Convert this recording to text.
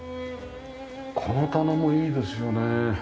この棚もいいですよね。